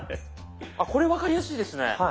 これ分かりやすいですね。